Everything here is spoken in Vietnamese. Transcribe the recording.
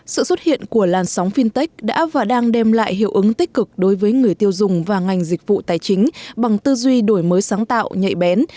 sự xuất hiện của làn sóng fintech đã và đang đem lại hiệu ứng tích cực đối với người tiêu dùng và ngành dịch vụ tài chính bằng tư duy đổi mới sáng tạo nhạy bén